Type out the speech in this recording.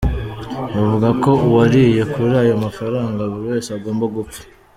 Bavuga ko uwariye kuri ayo mafaranga buri wese agomba gupfa.